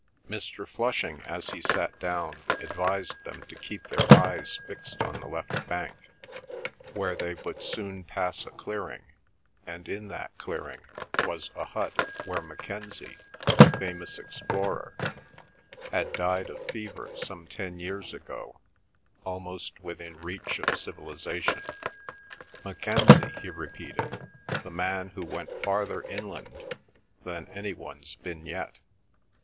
Mr. Flushing, as he sat down, advised them to keep their eyes fixed on the left bank, where they would soon pass a clearing, and in that clearing, was a hut where Mackenzie, the famous explorer, had died of fever some ten years ago, almost within reach of civilisation—Mackenzie, he repeated, the man who went farther inland than any one's been yet.